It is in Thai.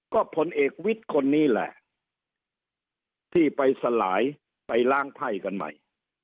ก็ผลเอกวิทย์คนนี้แหละที่ไปสลายไปล้างไพ่กันใหม่